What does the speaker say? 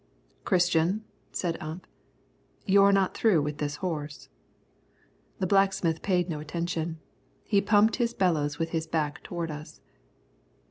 "Christian," said Ump, "you're not through with this horse." The blacksmith paid no attention. He pumped his bellows with his back toward us.